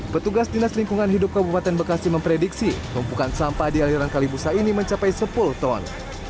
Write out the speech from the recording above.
petugas dinas lingkungan hidup kabupaten bekasi memprediksi tumpukan sampah di aliran kalibusa ini mencapai sepuluh ton